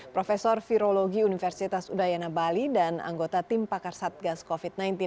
profesor virologi universitas udayana bali dan anggota tim pakar satgas covid sembilan belas